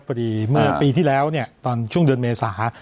พอดีเมื่อปีที่แล้วเนี่ยตอนช่วงเดือนเมษา